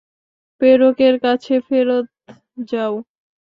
প্রেরকের কাছে ফেরত যাও।